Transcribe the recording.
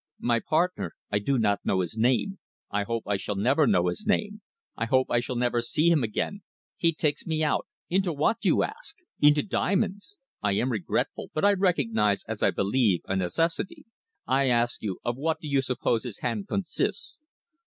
My partner I do not know his name; I hope I shall never know his name; I hope I shall never see him again he takes me out. 'Into what?' you ask. Into diamonds! I am regretful, but I recognise, as I believe, a necessity. I ask you, of what do you suppose his hand consists?